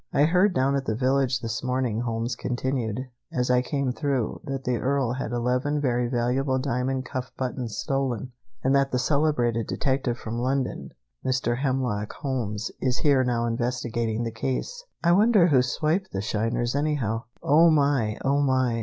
"I heard down at the village this morning," Holmes continued, "as I came through, that the Earl had eleven very valuable diamond cuff buttons stolen, and that the celebrated detective from London, Mr. Hemlock Holmes, is here now investigating the case. I wonder who swiped the shiners, anyhow." "Oh, my! Oh, my!"